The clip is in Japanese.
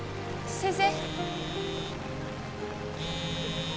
先生